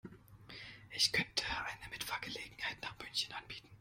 Ich könnte eine Mitfahrgelegenheit nach München anbieten